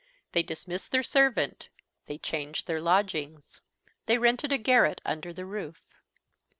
They dismissed their servant; they changed their lodgings; they rented a garret under the roof.